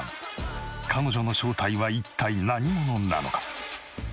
彼女の正体は一体何者なのか？